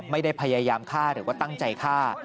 ไม่ได้พยายามฆ่าหรือว่าตั้งใจฆ่า